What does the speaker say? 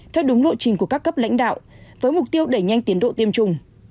theo đúng lộ trình của các cấp lãnh đạo với mục tiêu đẩy nhanh tiến độ tiêm chủng